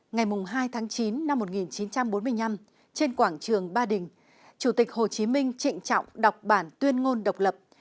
ngày hai tháng chín năm một nghìn chín trăm bốn mươi năm trên quảng trường ba đình chủ tịch hồ chí minh trịnh trọng đọc bản tuyên ngôn độc lập